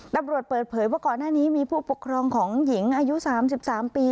ตำรวจเปิดเผยว่าก่อนหน้านี้มีผู้ปกครองของหญิงอายุ๓๓ปี